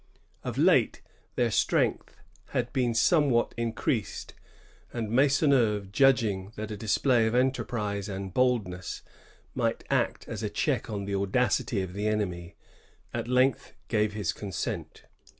Of late their strength had been somewhat increased, and Maisonneuve, judging that a display of enteiprise and boldness might act as a check on the audacity of the enemy, at length gave his consent.